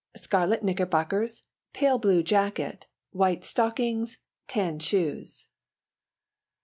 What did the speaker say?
Scarlet knickerbockers, pale blue jacket, white stockings, tan shoes.